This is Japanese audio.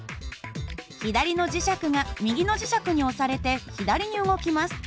左の磁石が右の磁石に押されて左に動きます。